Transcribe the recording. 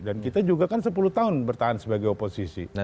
dan kita juga kan sepuluh tahun bertahan sebagai oposisi